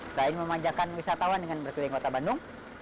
selain memanjakan wisatawan dengan berkeliling kota bandung